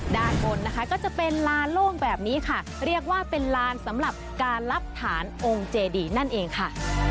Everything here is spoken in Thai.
ด้านบนนะคะก็จะเป็นลานโล่งแบบนี้ค่ะเรียกว่าเป็นลานสำหรับการรับฐานองค์เจดีนั่นเองค่ะ